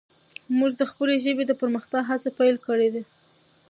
موږ د خپلې ژبې د پرمختګ هڅه پیل کړي ده.